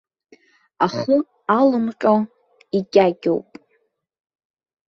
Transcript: Ахы алымҟьо икьакьоуп.